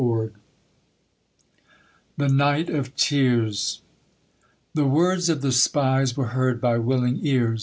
THE NIGHT OF TEARS The words of the spies were heard by willing ears.